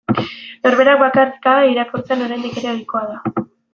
Norberak bakarka irakurtzea oraindik ere ohikoa da.